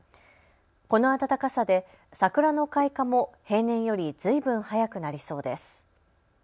この暖かさで桜の開花も平年よりずいぶん早くなりそうです。